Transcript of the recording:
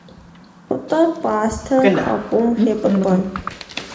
Пӏытӏэ пӏастэ пӏапӏум хепӏытӏэ.